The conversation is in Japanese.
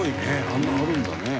あんなのあるんだね。